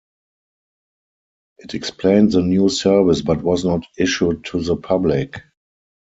It explained the new service but was not issued to the public.